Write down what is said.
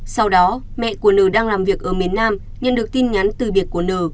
sau đó mẹ của n đang làm việc ở miền nam nhận được tin nhắn từ biệt của n